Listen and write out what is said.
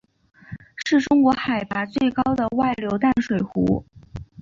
是中国海拔最高的外流淡水湖。